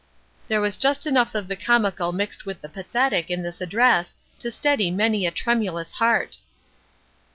There was just enough of the comical mixed with the pathetic in this address to steady many a tremulous heart.